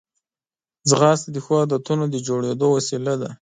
ځغاسته د ښو عادتونو د جوړېدو وسیله ده